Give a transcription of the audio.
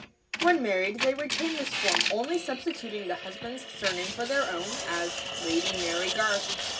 When married they retain this form, only substituting the husband's surname for their own, as "Lady Mary Garth."